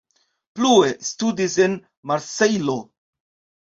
Plue studis en Marsejlo.